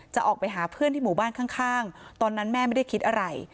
จะออกไปหาเพื่อนที่หมู่บ้านข้างตอนนั้นแม่ไม่ได้คิดอะไร